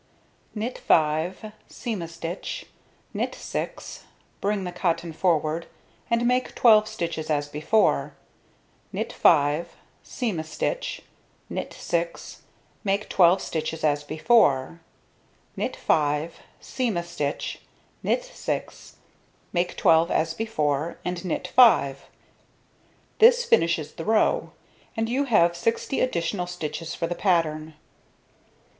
Knit 5, seam a stitch, knit 6, bring the cotton forward, and make 12 stitches as before. Knit 5, seam a stitch, knit 6, make 12 stitches as before. Knit 5, seam a stitch, knit 6, make 12 as before, and knit 5. This finishes the row; and you have 60 additional stitches for the pattern.